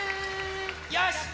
よし！